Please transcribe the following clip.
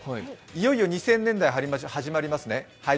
いよいよ２０００年代に入りますね。